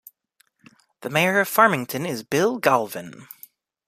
The Mayor of Farmington is Bill Galvin.